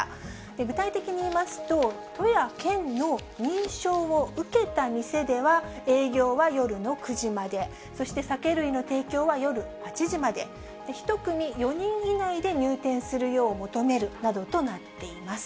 具体的にいいますと、都や県の認証を受けた店では営業は夜の９時まで、そして酒類の提供は夜８時まで、１組４人以内で入店するよう求めるなどとなっています。